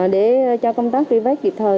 để cho công tác truy vết kịp thời